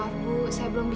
saya belum bisa berbicara